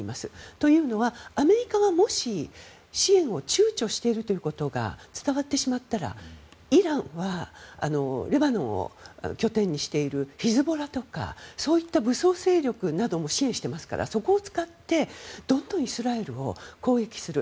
というのは、アメリカはもし支援を躊躇しているということが伝わってしまったら、イランはレバノンを拠点にしているヒズボラとかそういった武装勢力なども支援していますからそこを使ってどんどんイスラエルを攻撃する。